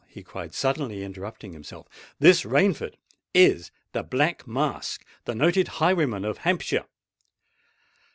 he cried, suddenly interrupting himself: "this Rainford is the Black Mask—the noted highwayman of Hampshire!"